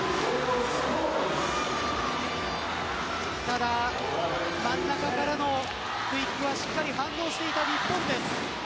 ただ真ん中からのフェイクにはしっかり反応していた日本です。